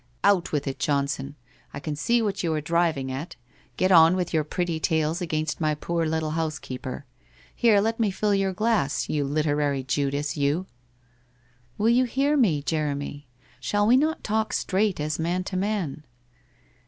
' Out with it, Johnson ! I can see what you are driving at. Get on with your pretty tales against my poor little housekeeper. Here, let me fill your glass, you literary Judas, you !'' Will you hear me. Jeremy ? Shall we not talk straight as man to man